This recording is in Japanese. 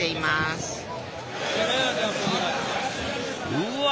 うわ！